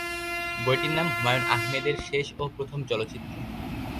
বইটির নাম "হুমায়ূন আহমেদ-এর শেষ ও প্রথম চলচ্চিত্র"।